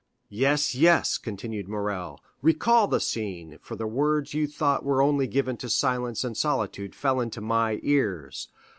"Yes, yes," continued Morrel; "recall the scene, for the words you thought were only given to silence and solitude fell into my ears.